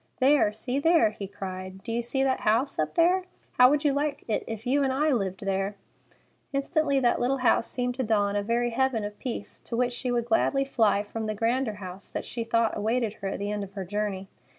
"There! See there!" he cried. "Do you see that house up there? How would you like it if you and I lived there?" Instantly that little house seemed to Dawn a very heaven of peace, to which she would gladly fly from the grander house that she thought awaited her at the end of her journey.